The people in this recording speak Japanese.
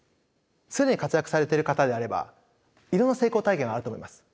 既に活躍されている方であればいろんな成功体験があると思います。